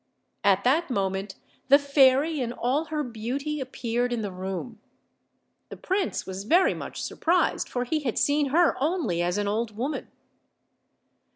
At that moment the fairy in all her beauty appeared in the room. The prince was very much surprised, for he had seen her only as an old woman.